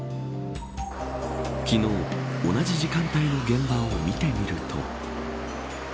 昨日同じ時間帯の現場を見てみると。